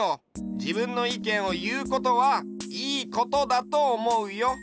じぶんのいけんをいうことはいいことだとおもうよ。